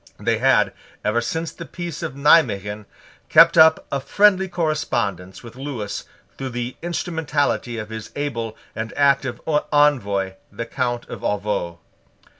They had, ever since the peace of Nimeguen, kept up a friendly correspondence with Lewis through the instrumentality of his able and active envoy the Count of Avaux.